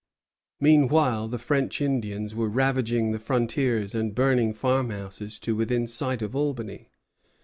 Meanwhile the French Indians were ravaging the frontiers and burning farm houses to within sight of Albany.